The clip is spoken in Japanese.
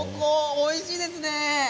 おいしいですね。